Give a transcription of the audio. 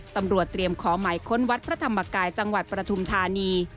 ตำรวจเตรียมขอหมายค้นวัดพระธรรมกายจังหวัดปฐุมธานี